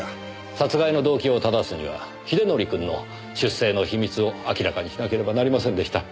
殺害の動機をただすには英則くんの出生の秘密を明らかにしなければなりませんでした。